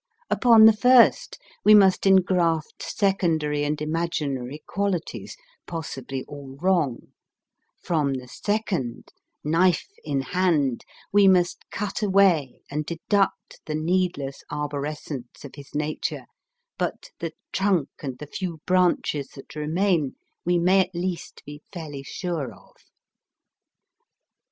Upon the first, we must engraft secondary and imaginary qualities, possibly all wrong ; from the second, knife in hand, we must cut away and deduct the needless arbor escence of his nature, but the trunk and the few branches that remain we may at least be fairly sure of.